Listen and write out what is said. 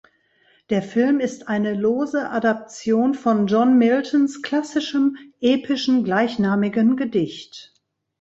Der Film ist eine lose Adaption von John Miltons klassischem epischen gleichnamigen Gedicht.